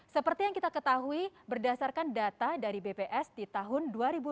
seperti yang kita ketahui berdasarkan data dari bps di tahun dua ribu dua puluh